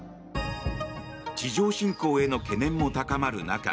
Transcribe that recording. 地上侵攻への懸念も高まる中